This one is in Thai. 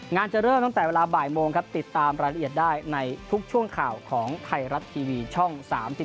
จะเริ่มตั้งแต่เวลาบ่ายโมงครับติดตามรายละเอียดได้ในทุกช่วงข่าวของไทยรัฐทีวีช่อง๓๒